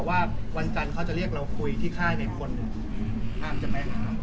ก็บอกว่าวันจันทร์เขาจะเรียกเราคุยที่ค่ายในคนอ้ามจำแม่งนะครับ